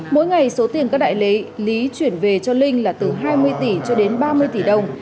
mỗi ngày số tiền các đại lý chuyển về cho linh là từ hai mươi tỷ cho đến ba mươi tỷ đồng